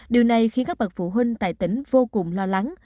điều này khiến các bậc phụ huynh tại tỉnh vô cùng lo lắng